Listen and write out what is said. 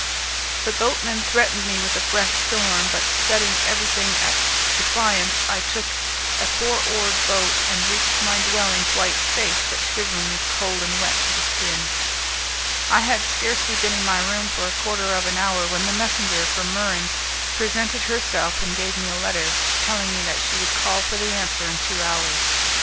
The boatmen threatened me with a fresh storm; but setting everything at defiance I took a four oared boat, and reached my dwelling quite safe but shivering with cold and wet to the skin. I had scarcely been in my room for a quarter of an hour when the messenger from Muran presented herself and gave me a letter, telling me that she would call for the answer in two hours.